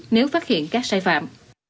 nếu phát hiện các sai phạm